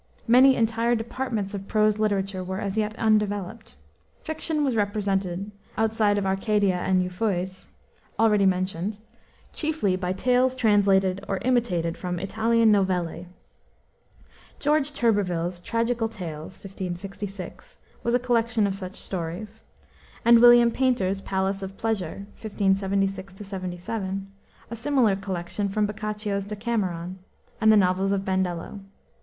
Many entire departments of prose literature were as yet undeveloped. Fiction was represented outside of the Arcadia and Euphues already mentioned chiefly by tales translated or imitated from Italian novelle. George Turberville's Tragical Tales (1566) was a collection of such stories, and William Paynter's Palace of Pleasure (1576 1577) a similar collection from Boccaccio's Decameron and the novels of Bandello.